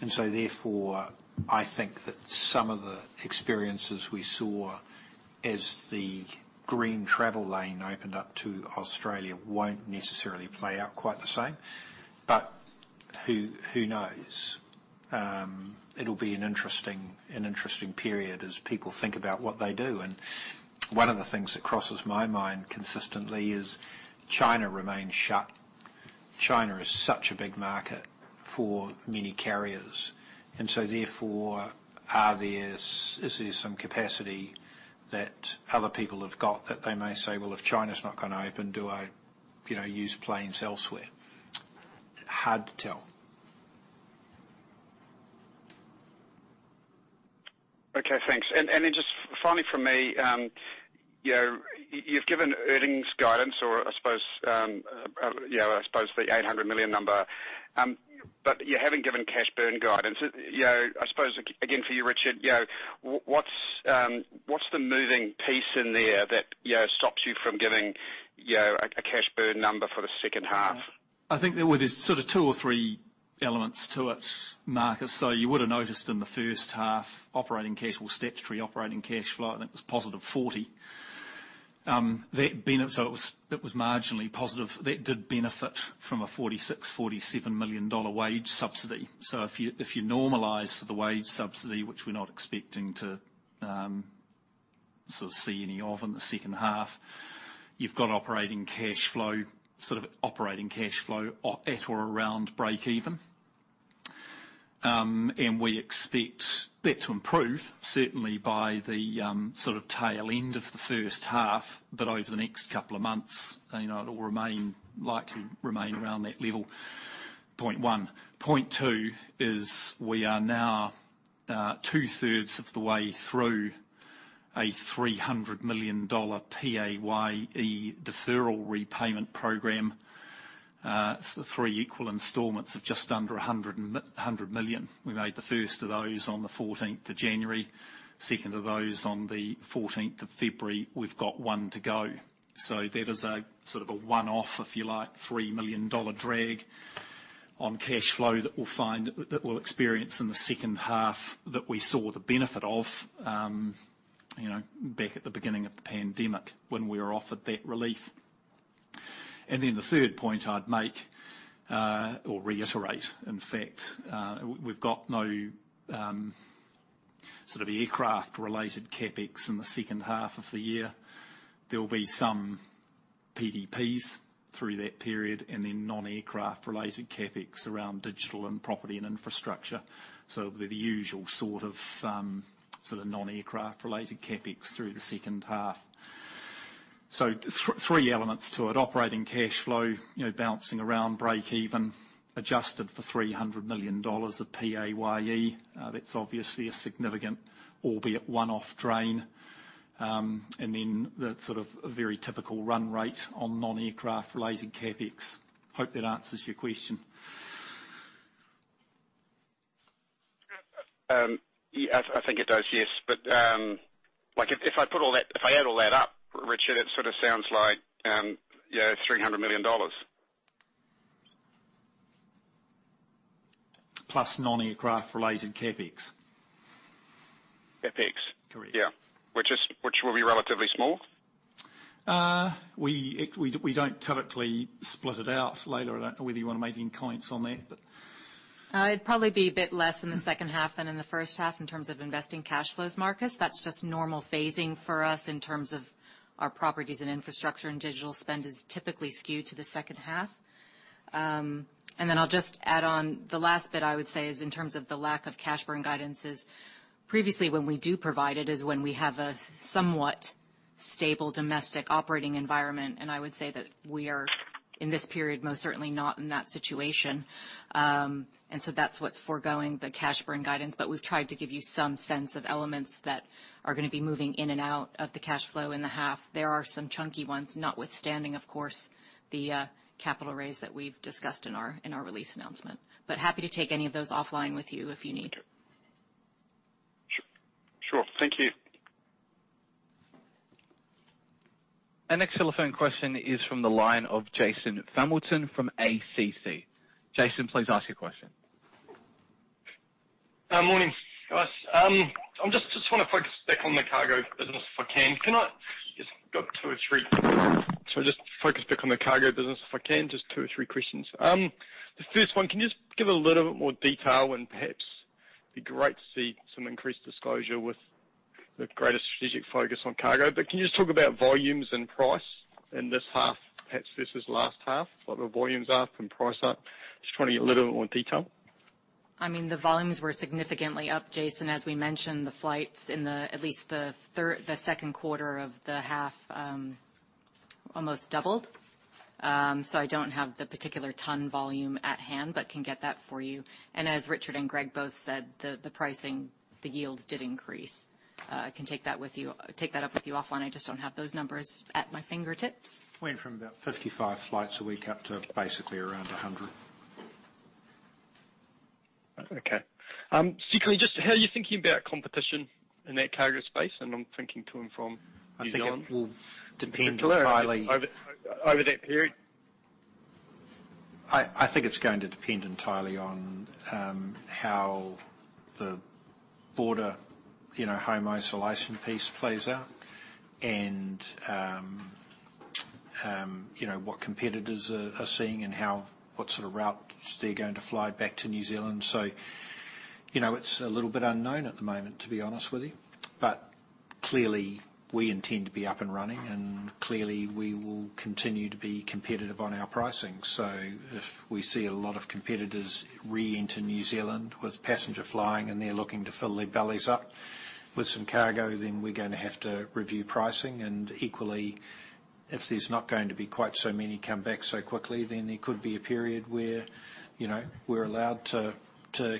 Therefore, I think that some of the experiences we saw as the green travel lane opened up to Australia won't necessarily play out quite the same. But who knows? It'll be an interesting period as people think about what they do. One of the things that crosses my mind consistently is China remains shut. China is such a big market for many carriers. is there some capacity that other people have got that they may say, "Well, if China's not gonna open, do I, you know, use planes elsewhere?" Hard to tell. Okay, thanks. Just finally from me, you know, you've given earnings guidance or I suppose, you know, I suppose the 800 million number, but you haven't given cash burn guidance. You know, I suppose again, for you, Richard, you know, what's the moving piece in there that, you know, stops you from giving, you know, a cash burn number for the second half? I think there were these sort of two or three elements to it, Marcus. You would've noticed in the first half, operating cash flow or statutory operating cash flow, and it was positive 40 million. That benefit, so it was marginally positive. That did benefit from a 46 million-47 million dollar wage subsidy. If you normalize for the wage subsidy, which we're not expecting to sort of see any of in the second half, you've got operating cash flow at or around breakeven. We expect that to improve certainly by the sort of tail end of the first half. Over the next couple of months, it'll remain, likely remain around that level, 0.1. Point two is we are now two-thirds of the way through a 300 million dollar PAYE deferral repayment program. It's the three equal installments of just under a hundred million. We made the first of those on the fourteenth of January, second of those on the fourteenth of February. We've got one to go. That is a sort of a one-off, if you like, hundred million dollar drag on cash flow that we'll experience in the second half that we saw the benefit of, you know, back at the beginning of the pandemic when we were offered that relief. Then the third point I'd make, or reiterate, in fact, we've got no sort of aircraft-related CapEx in the second half of the year. There'll be some PDPs through that period, and then non-aircraft related CapEx around digital and property and infrastructure. It'll be the usual sort of non-aircraft related CapEx through the second half. Three elements to it. Operating cash flow, you know, bouncing around breakeven, adjusted for 300 million dollars of PAYE. That's obviously a significant albeit one-off drain. The sort of a very typical run rate on non-aircraft related CapEx. Hope that answers your question. Yeah, I think it does, yes. Like if I put all that, if I add all that up, Richard, it sort of sounds like, yeah, 300 million dollars. Plus non-aircraft related CapEx. CapEx. Correct. Yeah. Which will be relatively small? We don't typically split it out, Leila. I don't know whether you wanna make any comments on that, but. It'd probably be a bit less in the second half than in the first half in terms of investing cash flows, Marcus. That's just normal phasing for us in terms of our properties and infrastructure, and digital spend is typically skewed to the second half. I'll just add on the last bit I would say is in terms of the lack of cash burn guidances. Previously, when we do provide it is when we have a somewhat stable domestic operating environment, and I would say that we are, in this period, most certainly not in that situation. That's what's forgoing the cash burn guidance. We've tried to give you some sense of elements that are gonna be moving in and out of the cash flow in the half. There are some chunky ones, notwithstanding, of course, the capital raise that we've discussed in our release announcement. Happy to take any of those offline with you if you need. Sure. Thank you. Our next telephone question is from the line of Jason Hamilton from ACC. Jason, please ask your question. Morning, guys. I'll just focus back on the cargo business if I can, just two or three questions. The first one, can you just give a little bit more detail and perhaps it'd be great to see some increased disclosure with the greater strategic focus on cargo. Can you just talk about volumes and price in this half perhaps versus last half, what the volumes are from price up? Just trying to get a little bit more detail I mean, the volumes were significantly up, Jason. As we mentioned, the flights in the at least the second quarter of the half almost doubled. So I don't have the particular ton volume at hand, but can get that for you. As Richard and Greg both said, the pricing, the yields did increase. I can take that up with you offline. I just don't have those numbers at my fingertips. Went from about 55 flights a week up to basically around 100. Okay. Specifically, just how are you thinking about competition in that cargo space? I'm thinking to and from New Zealand. I think it will depend highly. Over that period. I think it's going to depend entirely on how the border, you know, home isolation piece plays out and You know, what competitors are seeing and how what sort of routes they're going to fly back to New Zealand. You know, it's a little bit unknown at the moment, to be honest with you. Clearly, we intend to be up and running, and clearly we will continue to be competitive on our pricing. If we see a lot of competitors re-enter New Zealand with passenger flying, and they're looking to fill their bellies up with some cargo, then we're gonna have to review pricing. Equally, if there's not going to be quite so many come back so quickly, then there could be a period where, you know, we're allowed to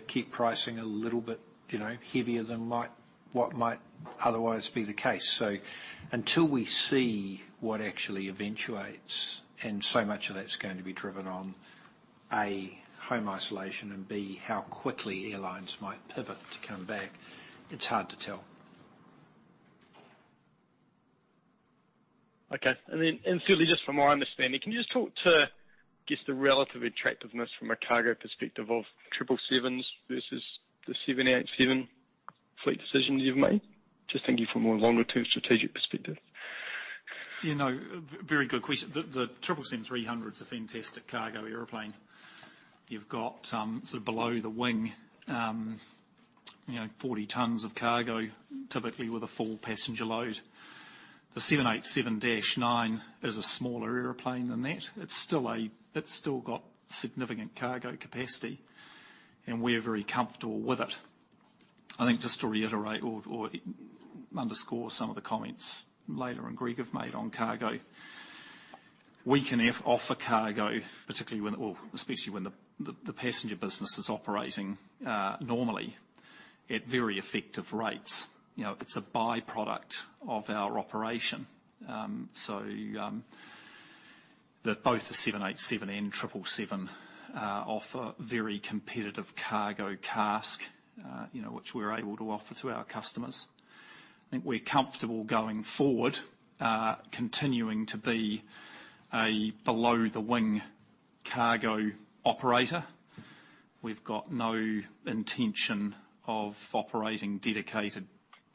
keep pricing a little bit, you know, heavier than what might otherwise be the case. Until we see what actually eventuates, and so much of that's going to be driven on, A, home isolation, and B, how quickly airlines might pivot to come back, it's hard to tell. Okay. Certainly just from my understanding, can you just talk to, I guess, the relative attractiveness from a cargo perspective of 777s versus the 787 fleet decisions you've made? Just thinking from a longer-term strategic perspective. You know, very good question. The 777-300ER is a fantastic cargo airplane. You've got sort of below the wing, you know, 40 tons of cargo typically with a full passenger load. The 787-9 is a smaller airplane than that. It's still got significant cargo capacity, and we're very comfortable with it. I think just to reiterate or underscore some of the comments Leila and Greg have made on cargo. We can offer cargo, particularly when, well, especially when the passenger business is operating normally at very effective rates. You know, it's a by-product of our operation. So, both the 787 and 777 offer very competitive cargo CASK, you know, which we're able to offer to our customers. I think we're comfortable going forward continuing to be a below-the-wing cargo operator. We've got no intention of operating dedicated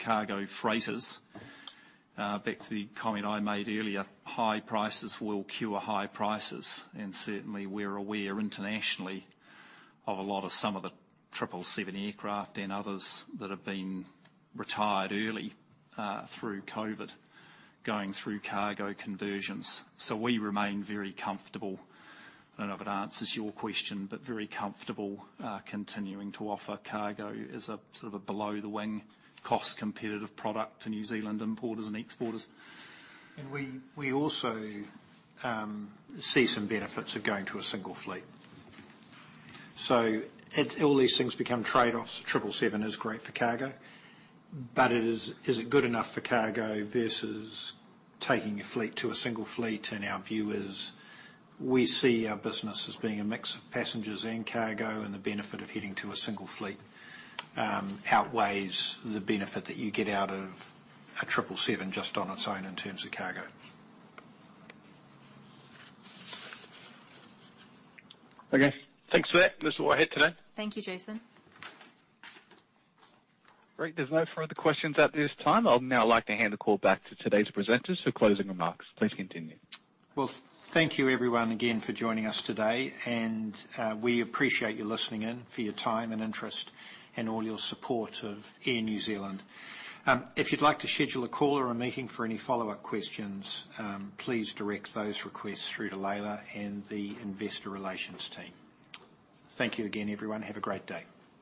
cargo freighters. Back to the comment I made earlier, high prices will cure high prices, and certainly we're aware internationally of a lot of some of the 777 aircraft and others that have been retired early, through COVID going through cargo conversions. We remain very comfortable. I don't know if it answers your question, but very comfortable continuing to offer cargo as a sort of a below-the-wing cost-competitive product to New Zealand importers and exporters. We also see some benefits of going to a single fleet. All these things become trade-offs. 777 is great for cargo, but is it good enough for cargo versus taking a fleet to a single fleet? Our view is we see our business as being a mix of passengers and cargo, and the benefit of heading to a single fleet outweighs the benefit that you get out of a 777 just on its own in terms of cargo. Okay. Thanks for that. That's all I had today. Thank you, Jason. Great. There's no further questions at this time. I'll now like to hand the call back to today's presenters for closing remarks. Please continue. Well, thank you everyone again for joining us today, and we appreciate you listening in, for your time and interest and all your support of Air New Zealand. If you'd like to schedule a call or a meeting for any follow-up questions, please direct those requests through to Leila and the investor relations team. Thank you again, everyone. Have a great day.